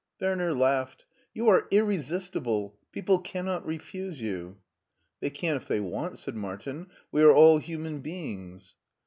Werner laughed. "You are irresistible. People cannot refuse you I" "They can if they want," said Martin; "we are all human beings."